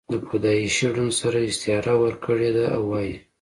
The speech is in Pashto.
دَپيدائشي ړوند سره استعاره ورکړې ده او وائي: